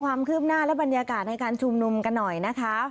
ความคืบหน้าและบรรยากาศในการชุมนุมกันหน่อยนะคะ